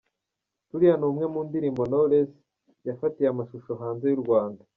Tulia ni imwe mu ndirimbo Knowless yafatiye amashusho hanze y’u Rwanda.